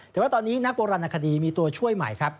แต่ว่าตอนนี้นักโบราณคดีมีตัวช่วยใหม่ครับ